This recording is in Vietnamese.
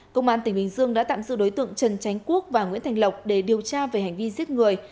công an tp thủ dầu đã tạm dự đối tượng trần tránh quốc và nguyễn thành lộc để điều tra về hành vi giết người